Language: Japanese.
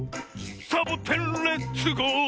「サボテンレッツゴー！」